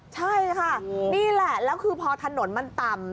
ใช่ค่ะนี่แหละแล้วคือพอถนนมันต่ำ